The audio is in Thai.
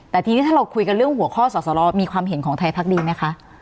แต่ทีนี้ถ้าเราคุยกันเรื่องหัวข้อสอสรมีความเห็นของไทยพักดีไหมคะ